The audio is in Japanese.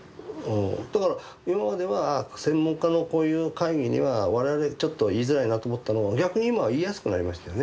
だから今までは専門家のこういう会議には我々ちょっと言いづらいなと思ったのを逆に今は言いやすくなりましたよね。